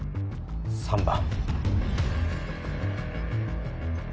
３番。